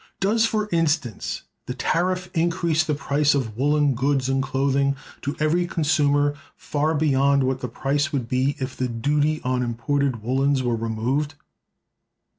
Does, for instance, the tariff increase the price of woolen goods and clothing to every consumer far beyond what the price would be if the duty on imported woolens were removed?